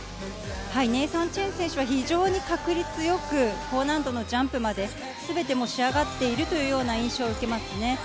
ネイサン・チェン選手は非常に確率良く高難度のジャンプまで、すべて仕上がっているという印象を受けますね。